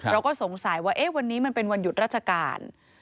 เราก็สงสัยว่าวันนี้มันเป็นวันหยุดราชการ